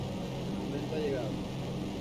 El momento ha llegado.